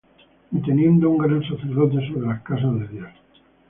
Y teniendo un gran sacerdote sobre la casa de Dios,